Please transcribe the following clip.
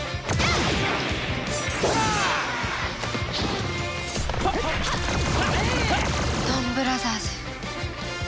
ドンブラザーズ。